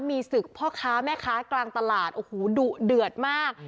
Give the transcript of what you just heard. มีศึกพ่อค้าแม่ค้ากลางตลาดโอ้โหดุเดือดมาก